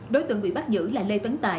đối tượng bị bắt giữ là lê tuấn tài